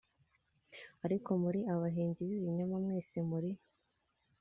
Ariko muri abahimbyi b’ibinyoma, Mwese muri